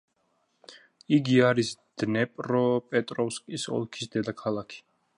იგი არის დნეპროპეტროვსკის ოლქის დედაქალაქი.